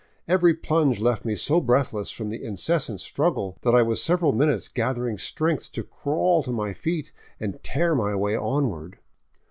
Every plunge left me so breathless from the in cessant struggle that I was several minutes gathering strength to crawl to my feet and tear my way onward.